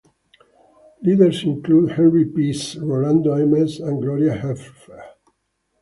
Leaders included Henry Pease, Rolando Ames and Gloria Helfer.